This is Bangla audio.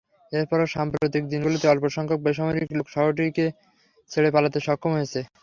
এরপরও সাম্প্রতিক দিনগুলোতে অল্পসংখ্যক বেসামরিক লোক শহরটি ছেড়ে পালাতে সক্ষম হয়েছে।